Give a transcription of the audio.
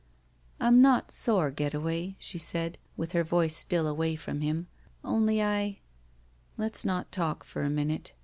"I'm not sore. Getaway," she said, with her voice still away from him. "Only I — Let's not talk for a minute.